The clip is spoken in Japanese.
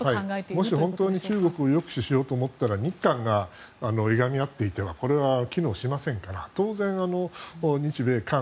もし本当に中国を抑止しようと思ったら日韓がいがみ合っていては機能しませんから当然、日米韓